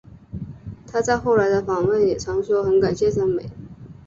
她在后来的访问也常说很感谢森美。